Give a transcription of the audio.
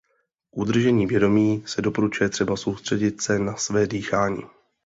K udržení vědomí se doporučuje třeba soustředit se na své dýchání.